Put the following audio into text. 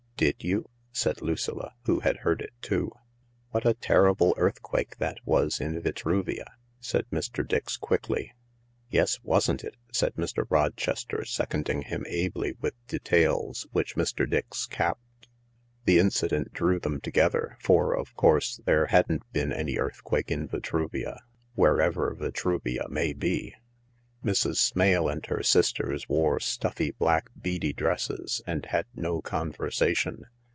" Did you ?" said Lucilla, who had heard it too. "What a terrible earthquake that was in Vitruvial " said Mr. Dix quickly. " Yes, wasn't it ?" said Mr. Rochester, seconding him ably with details, which Mr. Dix capped. The incident drew them together, for of course there hadn't been any earth quake in Vitruvia, wherever Vitruvia may be. Mrs. Smale and her sisters wore stuffy, black, beady dresses and had no conversation.